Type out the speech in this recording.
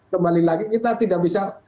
kembali lagi kita tidak bisa